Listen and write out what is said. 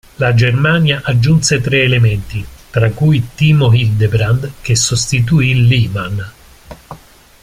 La Germania aggiunse tre elementi tra cui Timo Hildebrand, che sostituì Lehmann.